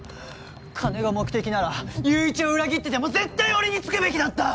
金が目的なら友一を裏切ってでも絶対俺につくべきだった！